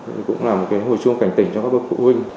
cũng là một cái hồi chuông cảnh tỉnh cho các bậc phụ huynh